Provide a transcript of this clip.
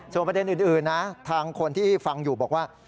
ส่วนประเด็นอื่นนะทางคนที่ฟังอยู่บอกว่า